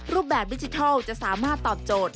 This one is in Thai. รูปแบบดิจิทัลจะสามารถตอบโจทย์